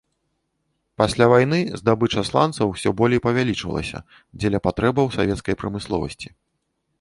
Пасля вайны здабыча сланцаў усё болей павялічвалася дзеля патрэбаў савецкай прамысловасці.